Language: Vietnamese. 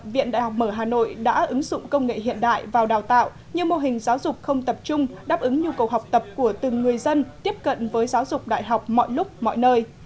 viện đại học mở hà nội đã ứng dụng công nghệ hiện đại vào đào tạo như mô hình giáo dục không tập trung đáp ứng nhu cầu học tập của từng người dân tiếp cận với giáo dục đại học mọi lúc mọi nơi